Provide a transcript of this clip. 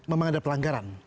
memang ada pelanggaran